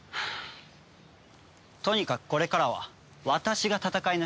とにかくこれからは私が戦いの指揮を執る。